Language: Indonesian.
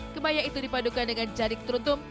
kebaya itu dipadukan dengan jari keturutum